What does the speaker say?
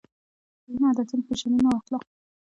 په خویونو، عادتونو، فیشنونو او اخلاقو کې.